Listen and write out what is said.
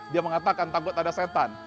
dia mengatakan takut ada setan